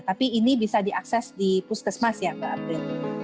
tapi ini bisa diakses di puskesmas ya mbak april